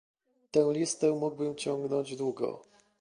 Tę listę mógłbym ciągnąć długo